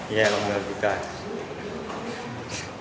iya membawa berkah